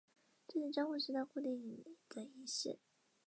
这是江户时代固定的仪式。